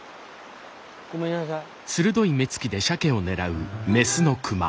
ごめんなさい。